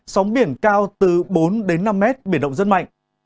sóng biển cao từ bốn đến năm mét biển động rất mạnh